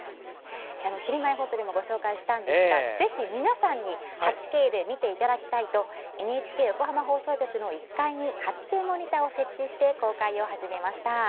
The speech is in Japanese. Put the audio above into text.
「ひるまえほっと」でもご紹介したんですがぜひ皆さんに８Ｋで見ていただきたいとＮＨＫ横浜放送局の１階に８Ｋモニターを設置して公開を始めました。